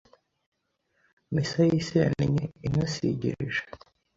Misaya isennye inasigirije